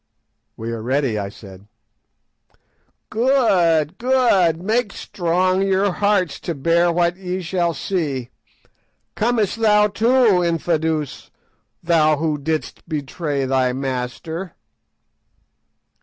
_" "We are ready," I said. "Good, good! Make strong your hearts to bear what ye shall see. Comest thou too, Infadoos, thou who didst betray thy master?"